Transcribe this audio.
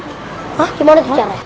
hah gimana tuh caranya